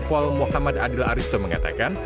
pol muhammad adil aristo mengatakan